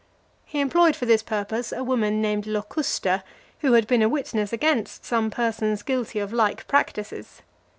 He employed for this purpose a woman named Locusta, who had been a witness against some persons guilty of like practices.